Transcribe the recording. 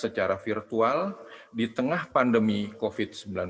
bapak ibu yang saya hormati